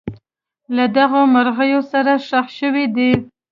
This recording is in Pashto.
له دغو مرغلرو سره ښخ شوي دي.